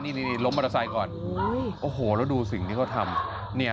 นี่ล้มมอเตอร์ไซค์ก่อนโอ้โหแล้วดูสิ่งที่เขาทำ